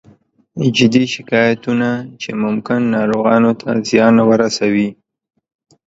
جدي شکایتونه چې ممکن ناروغانو ته زیان ورسوي